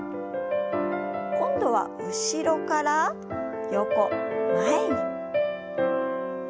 今度は後ろから横前に。